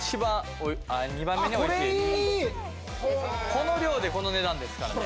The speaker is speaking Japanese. ・この量でこの値段ですからね。